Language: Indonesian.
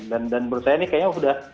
dan menurut saya ini kayaknya sudah